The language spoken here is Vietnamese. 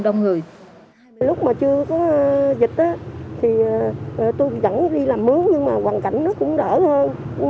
lúc mà chưa có dịch thì tôi vẫn đi làm mướn nhưng mà hoàn cảnh nó cũng đỡ hơn